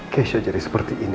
keisha jadi seperti ini